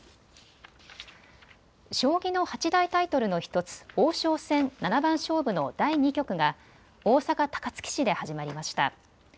将棋の八大タイトルの１つ、王将戦七番勝負の第２局が、大阪高槻市で始まりました。